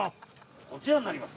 こちらになります。